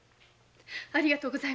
ありがとうございます。